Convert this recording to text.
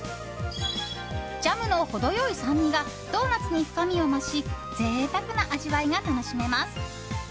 ジャムの程良い酸味がドーナツに深みを増し贅沢な味わいが楽しめます。